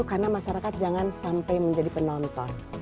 karena masyarakat jangan sampai menjadi penonton